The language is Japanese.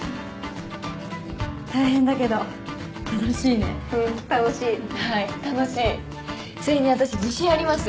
大変だけど楽しいねうん楽しいはい楽しいそれに私自信あります